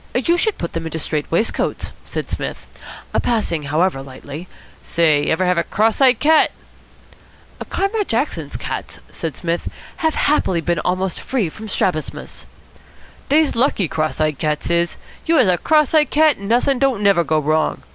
"You should put them into strait waistcoats," said Psmith. "Passing, however, lightly " "Say, ever have a cross eyed cat?" "Comrade Jackson's cats," said Psmith, "have happily been almost free from strabismus." "Dey's lucky, cross eyed cats is. You has a cross eyed cat, and not'in' don't never go wrong.